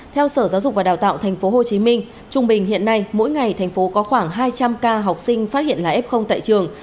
theo sở giáo dục và đào tạo tp hcm trung bình hiện nay mỗi ngày thành phố có khoảng hai trăm linh ca học sinh phát hiện là f tại trường